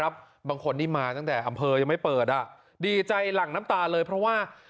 บางคนนี่มาตั้งแต่อำเภอยังไม่เปิดอ่ะดีใจหลั่งน้ำตาเลยเพราะว่า